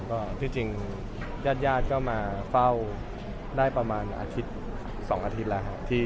ก็ที่จริงญาติก็มาเฝ้าได้ประมาณอาทิตย์๒อาทิตย์แล้วครับ